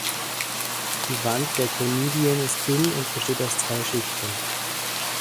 Die Wand der Konidien ist dünn und besteht aus zwei Schichten.